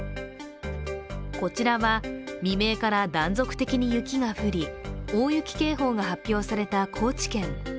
こちらは、未明から断続的に雪が降り大雪警報が発表された高知県。